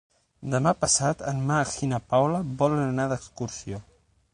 Demà passat en Max i na Paula volen anar d'excursió.